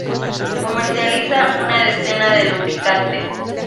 Comercializa una decena de lubricantes.